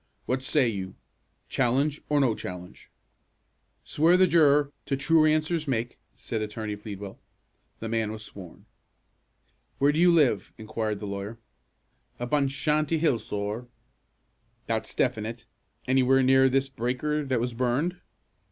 What say you, challenge, or no challenge?" "Swear the juror to 'true answers make,'" said Attorney Pleadwell. The man was sworn. "Where do you live?" inquired the lawyer. "Up on Shanty Hill, sorr." "That's definite. Anywhere near this breaker that was burned?"